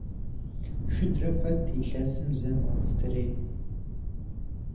Шыдрэ пэт илъэсым зэ мэфтрей.